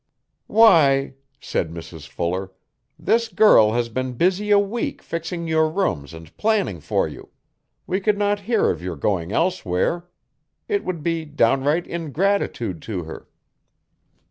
'Why,' said Mrs Fuller, 'this girl has been busy a week fixing your rooms and planning for you. We could not hear of your going elsewhere. It would be downright ingratitude to her.'